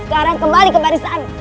sekarang kembali ke barisan